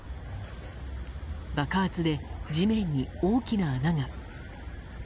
爆発で、地面に大きな穴が。